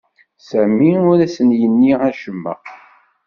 Sami ur asen-yenni acemma.